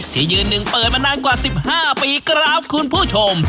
ที่ยืนหนึ่งเปิดมานานกว่า๑๕ปีครับคุณผู้ชม